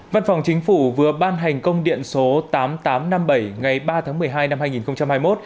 văn phòng chính phủ vừa ban hành công điện số tám nghìn tám trăm năm mươi bảy ngày ba tháng một mươi hai năm hai nghìn hai mươi một